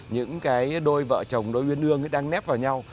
những cái đôi vợ chồng đôi nguyên ương đang nét vào nhau